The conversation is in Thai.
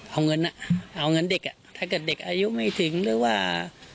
เอาเงินอ่ะเอาเงินเด็กอ่ะถ้าเกิดเด็กอายุไม่ถึงหรือว่า